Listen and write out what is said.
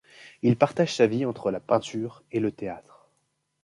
Il partage sa vie entre la peinture et le théâtre.